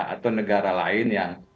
atau negara lain yang